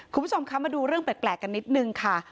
คุณผู้ชมคะมาดูเรื่องแปลกกันนิดนึงค่ะ